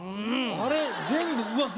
あれ？